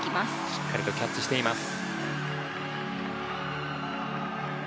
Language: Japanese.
しっかりとキャッチしています。